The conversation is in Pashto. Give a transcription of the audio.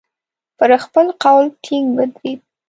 پر خپل قول ټینګ ودرېد.